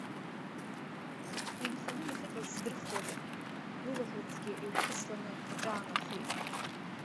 Инханы иахьыҟаз здырхуада, лылаӷырӡгьы еижәхысланы аҿаанахеит.